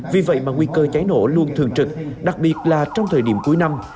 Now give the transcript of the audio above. vì vậy mà nguy cơ cháy nổ luôn thường trực đặc biệt là trong thời điểm cuối năm